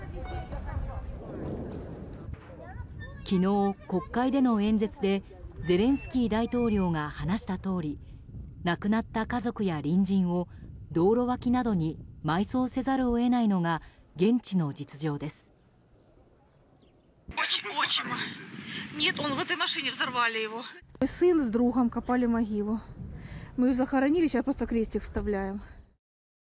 昨日、国会での演説でゼレンスキー大統領が話したとおり亡くなった家族や隣人を道路脇などに埋葬せざるを得ないのが現地の実情です。